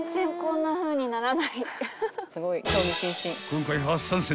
［今回初参戦］